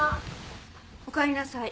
おかえりなさい。